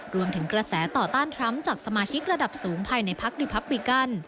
รวมถึงกระแสต่อต้านทรัมป์จากสมาชิกระดับสูงภายในพักดิพับบิกัน